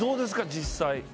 実際。